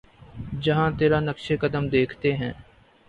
جہاں تیرا نقشِ قدم دیکھتے ہیں